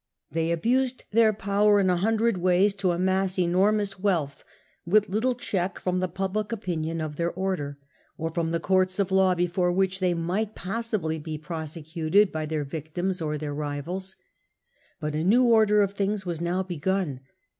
They abused their power in a hundred ways to amass enormous wealth, with little check from the public opinion of their order, or from the courts of law before which they might possibly be prosecuted by their victims or their livals. But a new order of things was now begun.